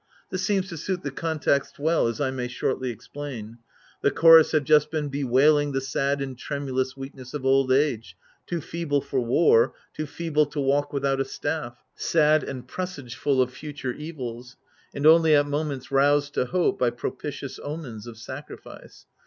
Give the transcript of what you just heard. This seems to suit the context well, as I may shortly explain. The chorus have just been bewailing the sad and tremulous weakness of old age, too feeble for war, too feeble to walk without a staff, sad and presageful of future evils, and only at moments roused to hope by propitious omens of sacrifice.